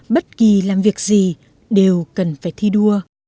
bất kỳ làm việc gì đều cần phải thi đua